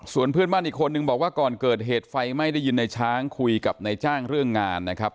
ส่วนเพื่อนบ้านอีกคนนึงบอกว่าก่อนเกิดเหตุไฟไหม้ได้ยินในช้างคุยกับนายจ้างเรื่องงานนะครับ